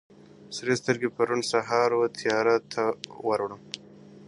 سرې سترگي به په روڼ سهار و يار ته ور وړم~